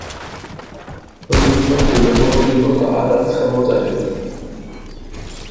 როგორც წესი ვერბალური ნოტა არ არის ხელმოწერილი.